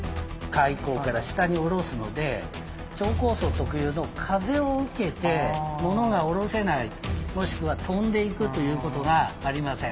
開口から下に下ろすので超高層特有の風を受けて物が下ろせないもしくは飛んでいくということがありません。